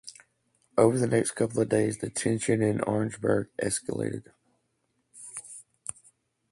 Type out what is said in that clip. Over the next couple of days the tension in Orangeburg escalated.